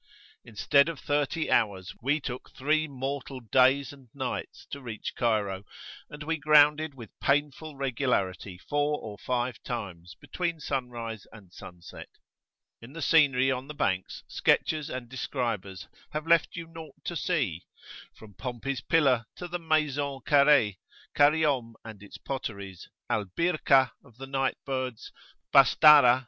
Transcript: Instead of thirty hours, we took three mortal days and nights to reach Cairo, and we grounded with painful regularity four or five times between sunrise and sunset. In the scenery on the banks sketchers and describers have left you nought to see. From Pompey's Pillar to the Maison Carree, Kariom and its potteries, Al Birkah[FN#1] of the night birds, Bastarah [p.